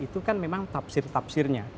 itu kan memang tafsir tafsirnya